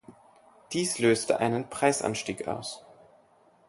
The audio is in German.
Dies löste einen Preisanstieg aus.